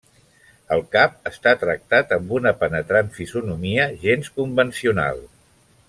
El cap està tractat amb una penetrant fisonomia gens convencional.